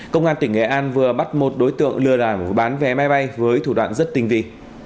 công an tỉnh nghệ an vừa bắt một đối tượng lừa đảo bán vé máy bay với thủ đoạn rất tinh vi